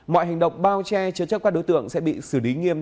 mọi hành động bao che chứa chấp các đối tượng sẽ bị xử lý nghiêm